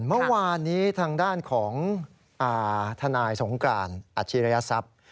เมื่อวานนี้ทางด้านของทนายสงการอาชิรยศัพท์